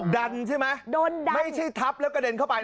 ดันใช่ไหมไม่ใช่ทับแล้วกระเด็นเข้าไปนะ